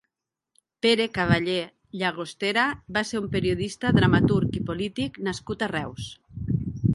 Pere Cavallé Llagostera va ser un periodista, dramaturg i polític nascut a Reus.